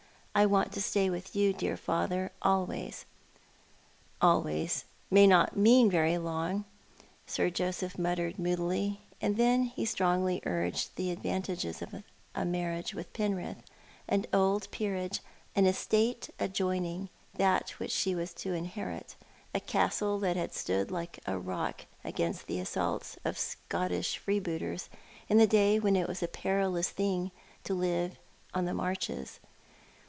I want to stay with you, dear father— always." " Always may not mean very long," Sir Joseph muttered moodily, and then he strongly urged the advantages of a marriage with Penrith — an old peerage — an estate adjoining that which she was to inherit, a castle that had stood like a rock against the assaults of Scottish freebooters in the days when it was a perilous thing to live on the Marches.